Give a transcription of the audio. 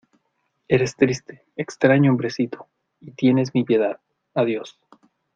Eres triste, extraño hombrecito , y tienes mi piedad. Adiós .